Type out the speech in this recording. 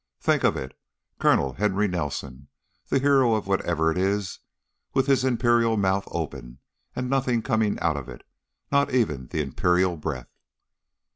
Think of it: Colonel Henry Nelson, the hero of Whatever it is, with his imperial mouth open and nothing coming out of it not even the imperial breath!"